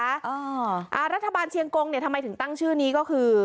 อ่าอ่ารัฐบาลเชียงกงเนี่ยทำไมถึงตั้งชื่อนี้ก็คือ